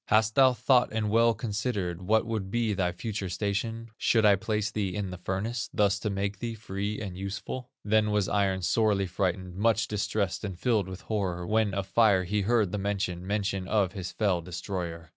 Hast thou thought and well considered, What would be thy future station, Should I place thee in the furnace, Thus to make thee free and useful?' "Then was Iron sorely frightened, Much distressed and filled with horror, When of Fire he heard the mention, Mention of his fell destroyer.